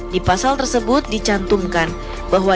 di pasal tersebut dicantumkan bahwa